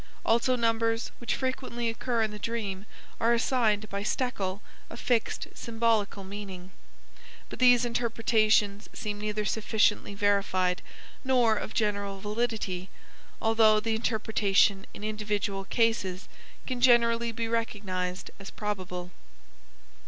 Also numbers, which frequently occur in the dream, are assigned by Stekel a fixed symbolical meaning, but these interpretations seem neither sufficiently verified nor of general validity, although the interpretation in individual cases can generally be recognized as probable.